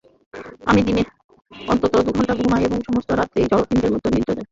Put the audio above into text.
আমি দিনে অন্তত দু-ঘণ্টা ঘুমাই এবং সমস্ত রাত্রি জড়পিণ্ডের মত অসাড়ে নিদ্রা যাই।